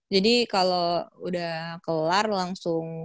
jadi kalau udah kelar langsung